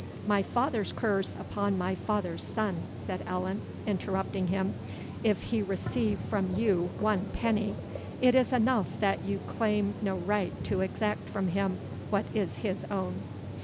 "My father's curse upon my father's son," said Allan, interrupting him, "if he receive from you one penny! It is enough that you claim no right to exact from him what is his own."